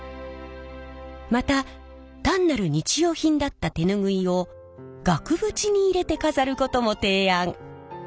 また単なる日用品だった手ぬぐいを額縁に入れて飾ることも提案。